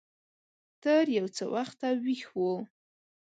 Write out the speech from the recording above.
تر يو څه وخته ويښ و.